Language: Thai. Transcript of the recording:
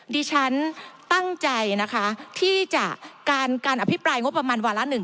ดิฉันตั้งใจนะคะที่จะการอภิปรายงบประมาณวาระหนึ่ง